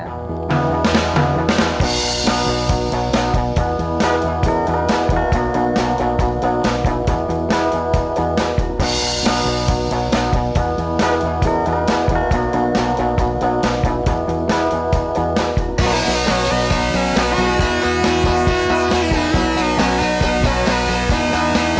ถามฟังคุณเมื่อไหร่